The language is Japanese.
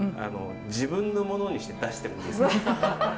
自分のものにして出してもいいですか？